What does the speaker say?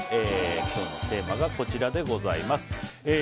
今日のテーマがこちらでございます。